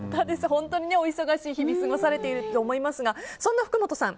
本当にお忙しい日々を過ごされていると思いますがそんな福本さん